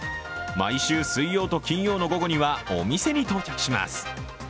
毎週水曜と金曜の午後にはお店に到着します。